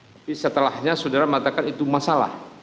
tapi setelahnya saudara mengatakan itu masalah